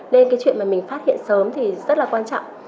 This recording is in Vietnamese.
nên cái chuyện mà mình phát hiện sớm thì rất là quan trọng